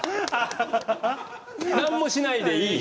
なんもしないでいい。